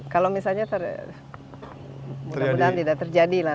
kalau misalnya mudah mudahan tidak terjadi lah